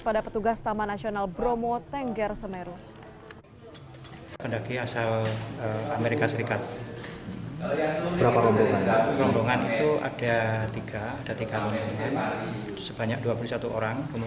pada petugas taman nasional bromo tengger semeru